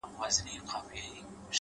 مثبت چلند فضا بدلوي،